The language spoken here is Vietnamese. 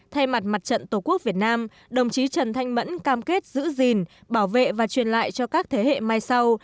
thay mặt trận tổ quốc việt nam đồng chí trần thanh mẫn cam kết giữ gìn bảo vệ và truyền lại cho các thế hệ mai sau